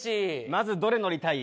まずどれ乗りたい？